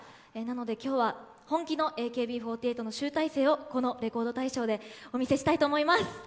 今日は本気のＡＫＢ４８の集大成をこの「レコード大賞」でお見せしたいと思います。